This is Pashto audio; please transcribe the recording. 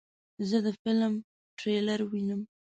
زه د فلم ټریلر وینم.